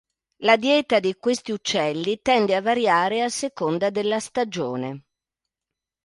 La dieta di questi uccelli tende a variare a seconda della stagione.